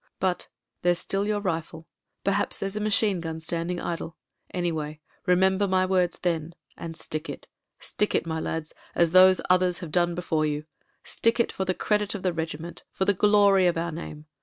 But — ^there's still your rifle ; perhaps there's a machine gun standing idle ; any way, remember my words then, and stick it. "Stick it, my lads, as those others have done before you. Stick it, for the credit of the regiment, for the glory of our name.